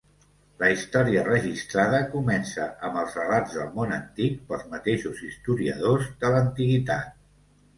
La història registrada comença amb els relats del món antic pels mateixos historiadors de l'antiguitat.